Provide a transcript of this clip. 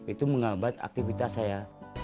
itu menghambat aktivitas saya